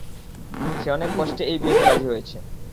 সে অনেক কষ্টে এই বিয়েতে রাজি হয়েছে।